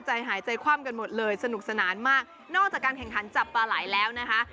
ใจหายใจคว่ำกันหมดเลยสนุกสนานมากนอกจากการแข่งขันจับปลาไหลแล้วนะคะ